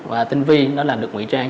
và tinh vi đó là được nguy trang